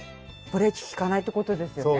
ブレーキ利かないって事ですよね。